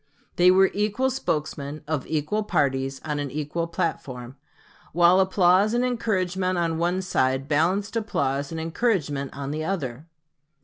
They were equal spokesmen, of equal parties, on an equal platform, while applause and encouragement on one side balanced applause and encouragement on the other.